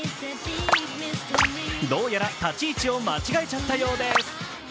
どうやら立ち位置を間違えちゃったようです。